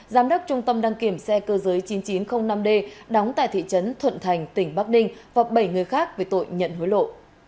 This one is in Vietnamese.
giám đốc trung tâm đăng kiểm xe cơ giới chín nghìn chín trăm linh năm d đóng tại thị trấn thuận thành tỉnh bắc ninh và bảy người khác về tội nhận hối lộ